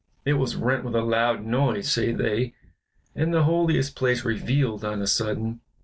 It was rent with a loud noise, say they, and the Holiest place revealed on a sudden.